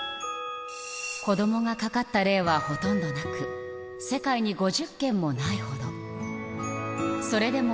子どもがかかった例はほとんどなく、世界に５０件もないほど。